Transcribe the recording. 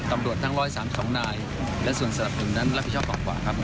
ตำลวดทั้งร้อยสามสองนายและส่วนสำหรับอื่นนั้นรับผิดชอบฝังขวาครับ